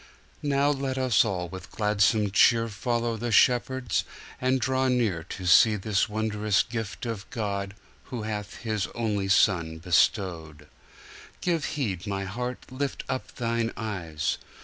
Now let us all with gladsome cheerFollow the shepherds, and draw nearTo see this wondrous gift of GodWho hath His only Son bestowed. Give heed, my heart, lift up thine eyes!